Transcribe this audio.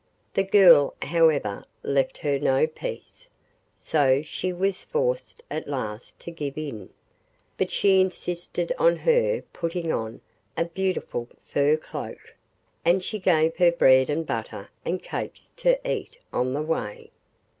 The girl however left her no peace, so she was forced at last to give in, but she insisted on her putting on a beautiful fur cloak, and she gave her bread and butter and cakes to eat on the way.